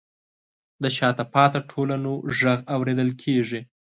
د شاته پاتې ټولنو غږ اورېدل کیږي.